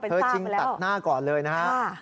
ชิงตัดหน้าก่อนเลยนะครับ